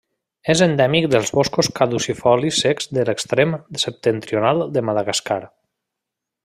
És endèmic dels boscos caducifolis secs de l'extrem septentrional de Madagascar.